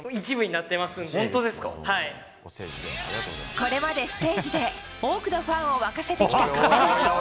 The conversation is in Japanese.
これまで、ステージで多くのファンを沸かせてきた亀梨。